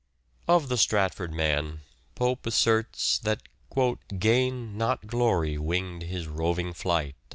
Of the Stratford man, Pope asserts that " Gain not glory winged his roving flight."